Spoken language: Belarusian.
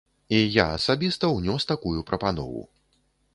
І я асабіста ўнёс такую прапанову.